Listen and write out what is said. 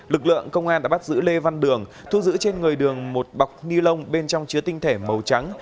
lực lượng công an đã bắt giữ lê văn đường thu giữ trên người đường một bọc ni lông bên trong chứa tinh thể màu trắng